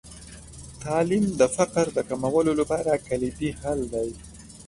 تعلیم د فقر د کمولو لپاره کلیدي حل دی.